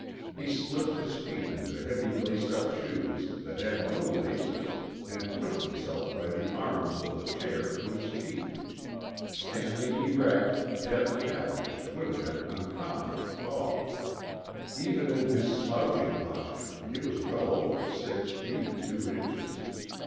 He slipped his feet into heavy lace up shoes that had no laces, and pushed himself by the arms of the chair to his feet. Standing erect, Jeb Cavendish would have been uncommonly tall. Even in his slouching posture he was well over six feet two inches.